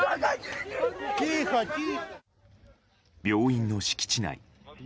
病院の敷地内。